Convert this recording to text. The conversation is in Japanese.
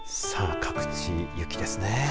さあ、各地、雪ですね。